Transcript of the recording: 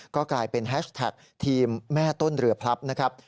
ก็กลายเป็นแฮชแท็กทีมแม่ต้นเรือพลับนะครับ